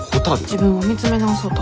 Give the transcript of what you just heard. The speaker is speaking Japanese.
自分を見つめ直そうと思って。